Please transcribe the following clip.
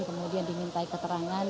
kemudian diminta keterangan